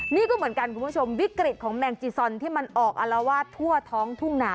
นี่ก็เหมือนกันคุณผู้ชมวิกฤตของแมงจีซอนที่มันออกอารวาสทั่วท้องทุ่งหนา